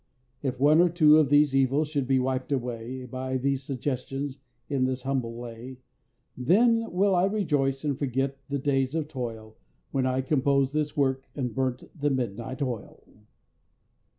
If one or two of these evils should be wiped away By these suggestions in this humble lay, Then will I rejoice and forget the days of toil When I composed this work and burnt the midnight oil.